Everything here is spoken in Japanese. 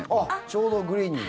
ちょうどグリーンに。